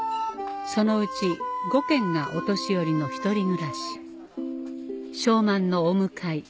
そのうち５軒がお年寄りの一人暮らし昌万のお向かい